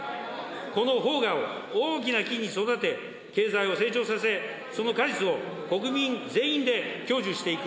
この萌芽を大きな木に育て、経済を成長させ、その果実を国民全員で享受していく。